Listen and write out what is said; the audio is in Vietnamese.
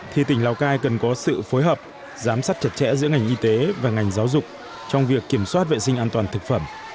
thì tỉnh lào cai cần có sự phối hợp giám sát chặt chẽ giữa ngành y tế và ngành giáo dục trong việc kiểm soát vệ sinh an toàn thực phẩm